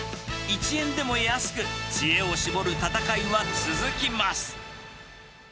１円でも安く、知恵を絞る戦いは続きます。